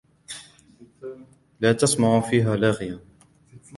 لا تسمع فيها لاغية